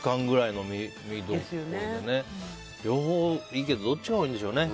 両方いいけどどっちがいいんでしょうかね。